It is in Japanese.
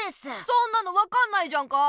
そんなの分かんないじゃんか。